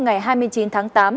ngày hai mươi chín tháng tám